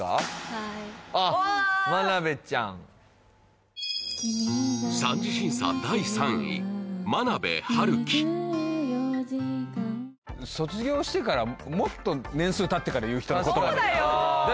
はいあっ間鍋ちゃん卒業してからもっと年数たってから言う人の言葉だよ